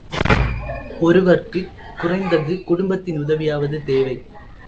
ஒருவர்க்குக் குறைந்தது குடும்பத்தின் உதவியாவது தேவை.